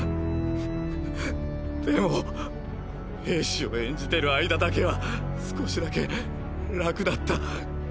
でも兵士を演じてる間だけは少しだけ楽だった。